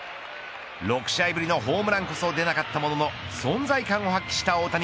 ６試合ぶりのホームランこそ出なかったものの存在感を発揮した大谷。